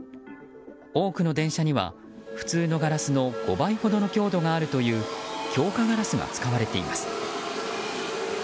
多くの電車には普通のガラスの５倍ほどの強度があるという強化ガラスが使われています。